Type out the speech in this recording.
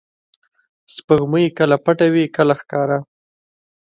• سپوږمۍ کله پټه وي، کله ښکاره.